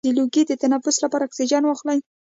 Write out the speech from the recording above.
د لوګي د تنفس لپاره اکسیجن واخلئ